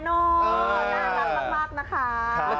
น่ารักมากนะคะ